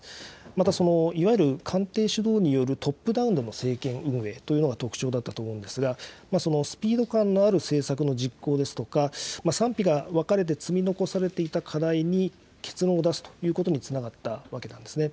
また、いわゆる官邸主導によるトップダウンでの政権運営というのが特徴だったと思うんですが、そのスピード感のある政策の実行ですとか、賛否が分かれて、積み残されていた課題に結論を出すということにつながったわけなんですね。